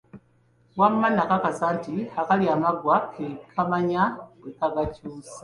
Wamma nakakasa nti akalya amaggwa, ke kamanya bwe kagakyusa.